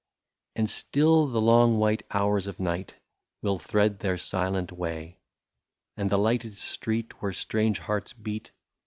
And still the long white hours of night Will thread their silent way, And the lighted street, where strange hearts beat.